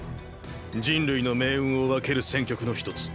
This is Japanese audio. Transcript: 人類の命運を分ける戦局の一つ